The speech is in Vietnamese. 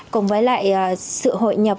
cùng với lại sự hội nhập